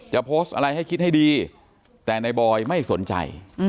โพสต์อะไรให้คิดให้ดีแต่ในบอยไม่สนใจ